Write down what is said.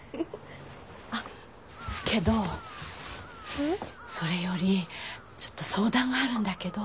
あっけどそれよりちょっと相談があるんだけど。